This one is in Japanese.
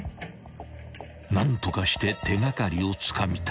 ［何とかして手掛かりをつかみたい］